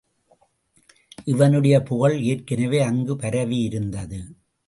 இவனுடைய புகழ் ஏற்கனவே அங்குப் பரவி இருந்தது.